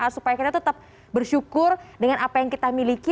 supaya kita tetap bersyukur dengan apa yang kita miliki